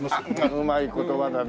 うまい言葉だね。